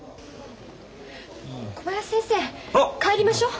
小林先生帰りましょう。